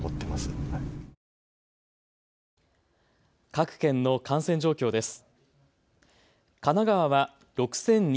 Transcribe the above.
各県の感染状況です。